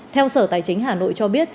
theo sở tài chính hà nội cho biết